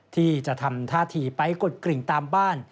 ที่จะทำท่าทีไปกดกริ่งตามบ้าน